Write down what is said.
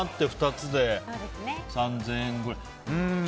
２つで３０００円くらい。